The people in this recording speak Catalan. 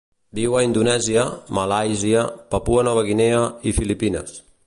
Viu a Indonèsia, Malàisia, Papua Nova Guinea i Filipines.